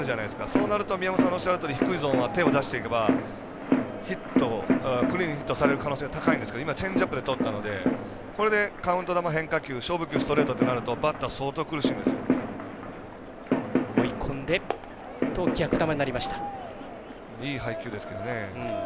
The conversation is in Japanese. そうなると、宮本さんがおっしゃるように低いゾーンは手を出していけばクリーンヒットさせる可能性が高いんですけど今、チェンジアップでとったのでこれで、カウント球、変化球勝負球ストレートとなるとバッター相当苦しいんですよ。